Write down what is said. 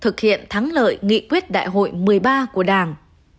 thực hiện thắng lợi nghị quyết đại hội một mươi ba của đảng